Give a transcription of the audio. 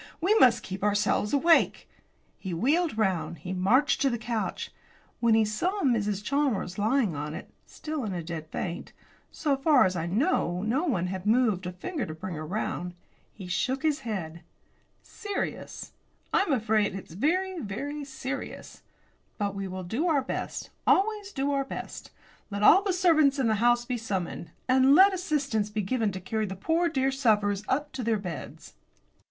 We must keep ourselves awake." He wheeled round; he marched to the couch. When he saw Mrs. Chalmers lying on it, still in a dead faint so far as I know no one had moved a finger to bring her round he shook his head. "Serious; I am afraid it's very, very serious. But we will do our best; always do our best. Let all the servants in the house be summoned, and let assistance be given to carry the poor dear sufferers up to their beds."